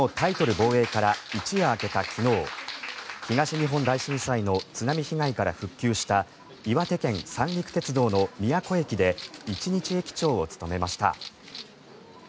防衛から一夜明けた昨日東日本大震災の津波被害から復旧した岩手県三陸鉄道の宮古駅で一日駅長を務めました。